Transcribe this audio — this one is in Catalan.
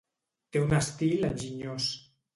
Té un estil enginyós.